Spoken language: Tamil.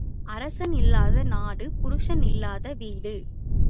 அரசன் இல்லாத நாடு, புருஷன் இல்லாத வீடு.